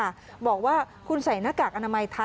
ใส่ข้าวต้องใส่แมสแต่ถ่ายไม่ได้